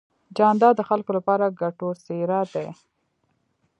جانداد د خلکو لپاره ګټور څېرہ دی.